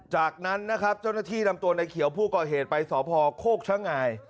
จากนั้นนะครับเจ้าหน้าที่นำตัวในเขียวผู้ก่อเหตุไปสพโคกชะงาย